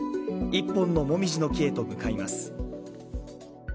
１本のもみじの木へと向かいます。